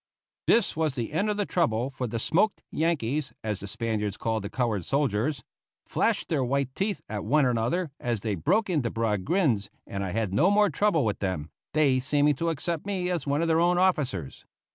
This was the end of the trouble, for the "smoked Yankees" as the Spaniards called the colored soldiers flashed their white teeth at one another, as they broke into broad grins, and I had no more trouble with them, they seeming to accept me as one of their own officers.